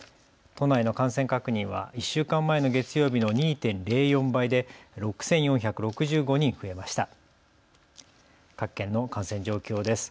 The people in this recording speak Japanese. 都内の感染確認は１週間前の月曜日の２．０４倍で６４６５人増えました。